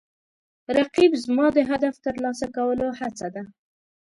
رقیب زما د هدف ترلاسه کولو هڅه ده